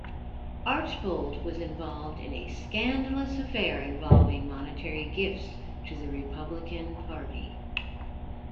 Archbold was involved in a scandalous affair involving monetary gifts to the Republican Party.